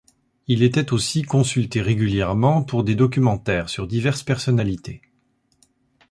Il était aussi consulté régulièrement pour des documentaires sur diverses personnalités.